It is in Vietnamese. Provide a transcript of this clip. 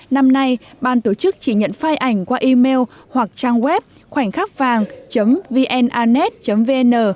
năm nay ban tổ chức chỉ nhận file ảnh qua email hoặc trang web khoảnhkhắcvàng vnarnet vn